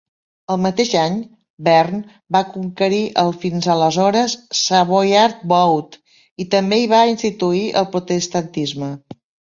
El mateix any, Bern va conquerir el fins aleshores Savoyard Vaud i també hi va instituir el protestantisme.